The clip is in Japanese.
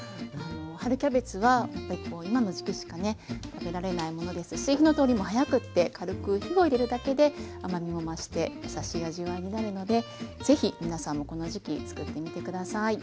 春キャベツは今の時期しかね食べられないものですし火の通りも早くて軽く火を入れるだけで甘みも増して優しい味わいになるので是非皆さんもこの時期作ってみて下さい。